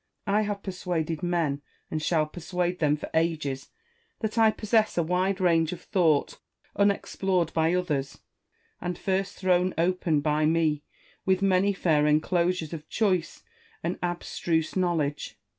I have persuaded men, and shall persuade them for ages, that I possess a wide range of thought unexplored by others, and first thrown open by me, with many fair en closures of choice and abstruse knowledge.